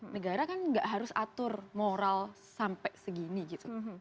negara kan nggak harus atur moral sampai segini gitu